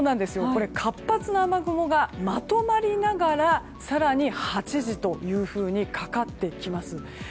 活発な雨雲がまとまりながら更に、８時というふうにかかってきます。